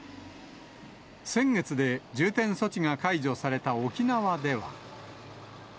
先月で重点措置が解除された沖縄では。